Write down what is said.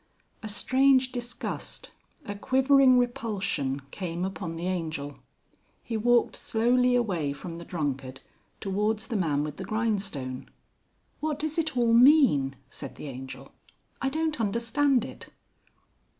A strange disgust, a quivering repulsion came upon the Angel. He walked slowly away from the drunkard towards the man with the grindstone. "What does it all mean?" said the Angel. "I don't understand it."